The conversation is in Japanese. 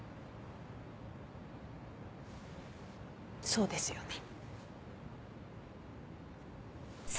そうですよね。